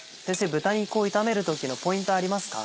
豚肉を炒める時のポイントありますか？